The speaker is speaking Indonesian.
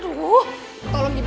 tapi gimana sekarang dengan tanti